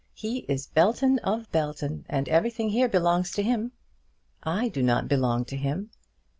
He is Belton of Belton, and everything here belongs to him." "I do not belong to him."